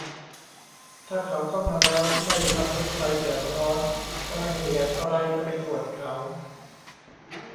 ถ้าเขาเข้ามาแล้วไม่ได้ทำให้ใครเดือดร้อน ก็ไม่มีเหตุอะไรจะไปตรวจเขา